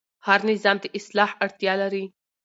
هر نظام د اصلاح اړتیا لري